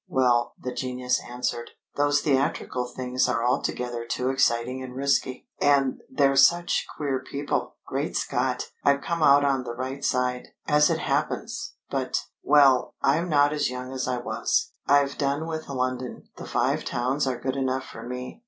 "Well," the genius answered. "Those theatrical things are altogether too exciting and risky! And they're such queer people Great Scott! I've come out on the right side, as it happens, but well, I'm not as young as I was. I've done with London. The Five Towns are good enough for me."